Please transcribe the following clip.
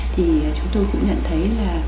thì chúng tôi cũng nhận thấy là